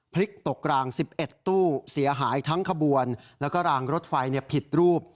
พลิกตกราง๑๑ตู้เสียหายทั้งขบวนแล้วก็รางรถไฟผิดรูป